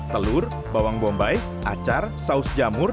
telur bawang bombay acar saus jamur